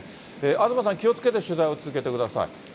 東さん、気をつけて取材を続けてください。